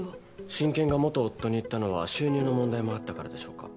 親権が元夫にいったのは収入の問題もあったからでしょうか？